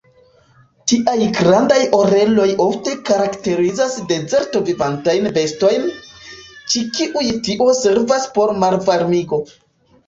Tiaj grandaj oreloj ofte karakterizas deserto-vivantajn bestojn, ĉi kiuj tio servas por malvarmigo.